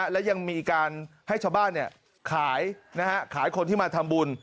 และยังมีการให้ชาวบ้านขายคนที่มาทำบุญ